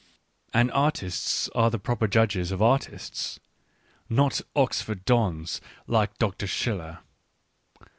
And artists are the proper judges of artists, — not Oxford Dons, like TV 5chfl 1eg